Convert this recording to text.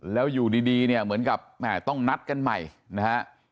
แล้วอยู่ดีเนี่ยเหมือนกับแม่ต้องนัดกันใหม่นะฮะ